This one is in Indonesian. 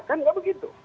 kan tidak begitu